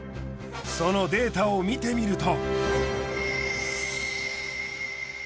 そのデータを見てみると。